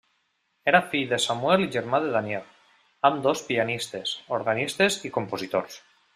Era fill de Samuel i germà de Daniel, ambdós pianistes, organistes i compositors.